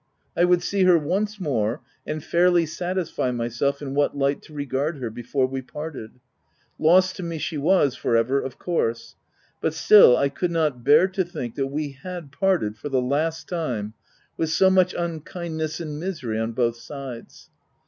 I would see her once more, and fairly satisfy myself in what light to regard her, before we parted. Lost to me she was, for ever, of course ; but still, I OF WILDFELL HALL. 257 could not bear to think that we had parted, for the last time, with so much unkindness and misery on both sides.